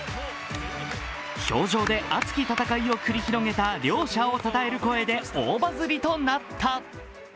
氷上で熱き戦いを繰り広げた両者の戦いに大バズリとなった。